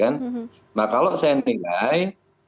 nah kalau saya menilai